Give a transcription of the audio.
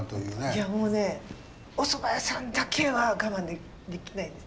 いやもうねお蕎麦屋さんだけは我慢できないです。